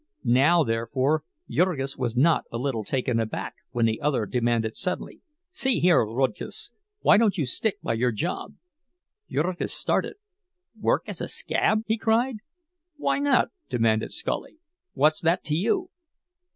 Now, therefore, Jurgis was not a little taken aback when the other demanded suddenly, "See here, Rudkus, why don't you stick by your job?" Jurgis started. "Work as a scab?" he cried. "Why not?" demanded Scully. "What's that to you?"